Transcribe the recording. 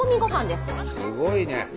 すごいね。